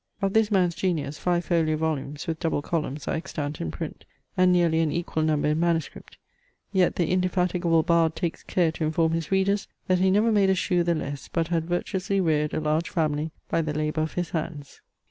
Of this man's genius five folio volumes with double columns are extant in print, and nearly an equal number in manuscript; yet the indefatigable bard takes care to inform his readers, that he never made a shoe the less, but had virtuously reared a large family by the labour of his hands.